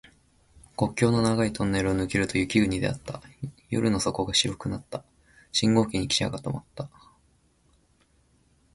国境の長いトンネルを抜けると雪国であった。夜の底が白くなった。信号所にきしゃが止まった。